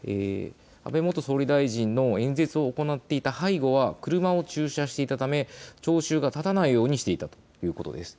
安倍元総理大臣の演説を行っていた背後は車を駐車していたため聴衆が立たないようにしていたということです。